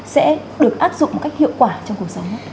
sẽ được áp dụng một cách hiệu quả trong cuộc sống